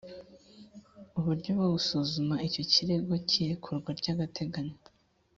uburyo bwo busuzuma icyo kirego cy irekurwa ry agateganyo